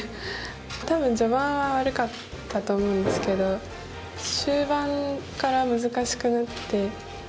多分序盤は悪かったと思うんですけど終盤から難しくなって。